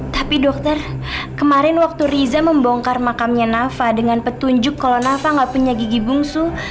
tapi dokter kemarin waktu riza membongkar makamnya nafa dengan petunjuk kalau nafa nggak punya gigi bungsu